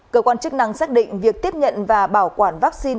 cơ quan chức năng xác định việc tiếp nhận và bảo quản vaccine